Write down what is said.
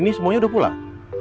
ini semuanya udah pulang